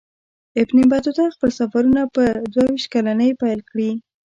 ابن بطوطه خپل سفرونه په دوه ویشت کلنۍ پیل کړي.